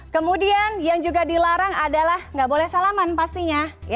kemudian yang juga dilarang adalah nggak boleh salaman pastinya